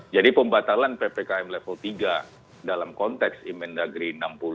jadi pembatalan ppkm level tiga dalam konteks inmen dagri enam puluh dua